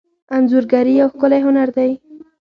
انځورګري یو ښکلی هنر دی.